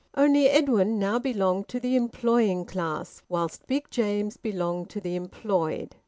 Only, Edwin now belonged to the employing class, whilst Big James belonged to the employed.